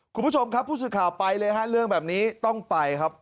คุณผู้ชมครับผู้สื่อข่าวไปเลยฮะเรื่องแบบนี้ต้องไปครับ